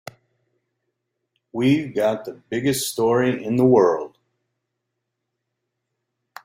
We've got the biggest story in the world.